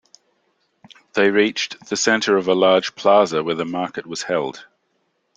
They reached the center of a large plaza where the market was held.